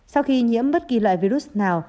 sau khi nhiễm bất kỳ loại virus nào